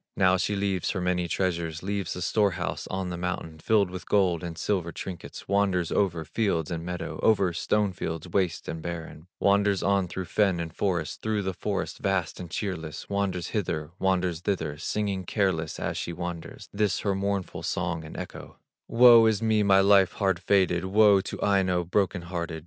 Now she leaves her many treasures, Leaves the store house on the mountain, Filled with gold and silver trinkets, Wanders over field and meadow, Over stone fields waste and barren, Wanders on through fen and forest, Through the forest vast and cheerless, Wanders hither, wanders thither, Singing careless as she wanders, This her mournful song and echo: "Woe is me, my life hard fated! Woe to Aino, broken hearted!